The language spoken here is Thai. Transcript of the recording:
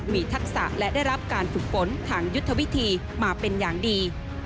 มีทักษะและได้รับการฝึกฝนทางยุทธวิธีมาเป็นอย่างดี